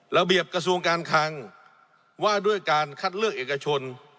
ระเบียบกระทรวงการคังว่าด้วยการคัดเลือกเอกชน